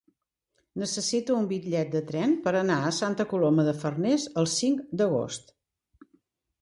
Necessito un bitllet de tren per anar a Santa Coloma de Farners el cinc d'agost.